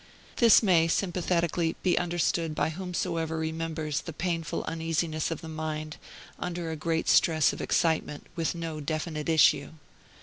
This may sympathetically be understood by whomsoever remembers the painful uneasiness of the mind under a great stress of excitement with no definite issue.